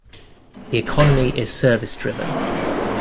The economy is service driven.